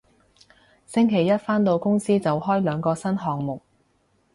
星期一返到公司就開兩個新項目